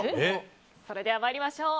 それでは参りましょう。